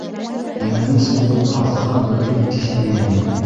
Имәнес булып һаҫыған бер ит киҫәге ине.